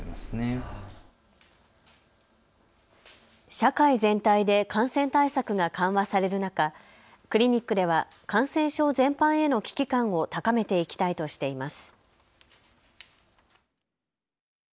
社会全体で感染対策が緩和される中、クリニックでは感染症全般への危機感を高めていきたいとしています。